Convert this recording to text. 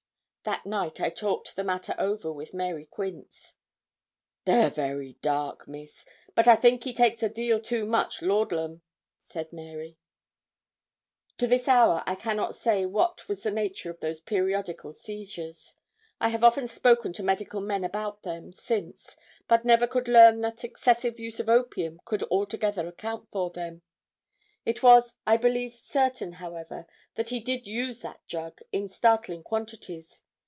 That night I talked the matter over with Mary Quince. 'They're very dark, miss; but I think he takes a deal too much laudlum,' said Mary. To this hour I cannot say what was the nature of those periodical seizures. I have often spoken to medical men about them, since, but never could learn that excessive use of opium could altogether account for them. It was, I believe, certain, however, that he did use that drug in startling quantities.